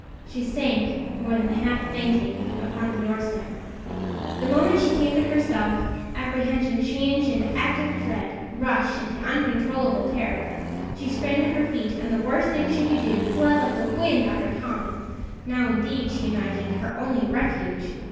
She sank, more than half fainting, upon the door step. The moment she came to herself, apprehension changed into active dread, rushed into uncontrollable terror. She sprang to her feet, and, the worst thing she could do, fled like the wind after Tom now, indeed, she imagined, her only refuge!